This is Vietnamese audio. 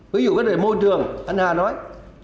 ví dụ cái đề môi trường anh hà nói